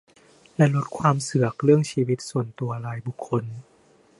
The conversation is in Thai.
และลดความเสือกเรื่องชีวิตส่วนตัวรายบุคคล